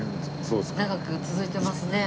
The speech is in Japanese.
長く続いてますね。